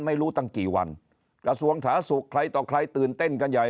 ไม่รู้ตั้งกี่วันกระทรวงสาธารณสุขใครต่อใครตื่นเต้นกันใหญ่